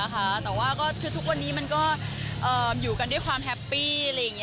แต่ว่าทุกวันนี้มันก็อยู่กันด้วยความแฮปปี้